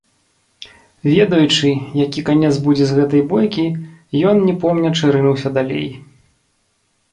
Ведаючы, які канец будзе з гэтай бойкі, ён, не помнячы, рынуўся далей.